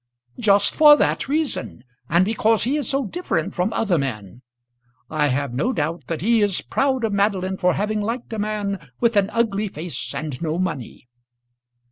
"Just for that reason; and because he is so different from other men. I have no doubt that he is proud of Madeline for having liked a man with an ugly face and no money."